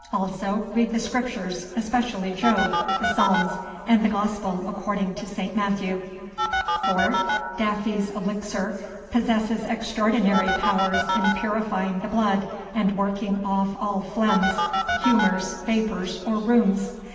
Also read the scriptures, especially Job, the Psalms, and the Gospel according to St. Matthew. '4. Daffy's elixir possesses extraordinary powers in purifying the blood and working off all phlegms, humours, vapours, or rheums.